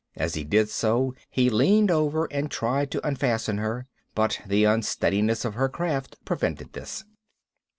As he did so, he leaned over and tried to unfasten her. But the unsteadiness of her craft prevented this.